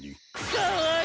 かわいい！